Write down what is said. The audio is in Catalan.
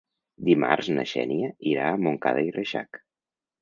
Dimarts na Xènia irà a Montcada i Reixac.